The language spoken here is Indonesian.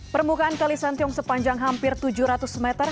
permukaan kali sentiong sepanjang hampir tujuh ratus meter